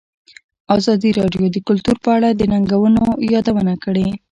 ازادي راډیو د کلتور په اړه د ننګونو یادونه کړې.